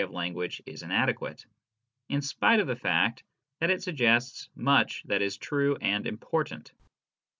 19 of language is inadequate, in spite of the fact that it suggests much that is true and important.